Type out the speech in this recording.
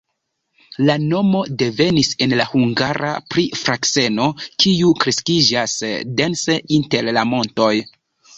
La nomo devenis en la hungara pri frakseno, kiu kreskiĝas dense inter la montoj.